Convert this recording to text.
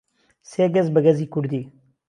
سێ گهز به گهزی کوردی